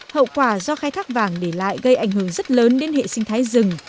hậu quả do khai thác vàng để lại gây ảnh hưởng rất lớn đến hệ sinh thái rừng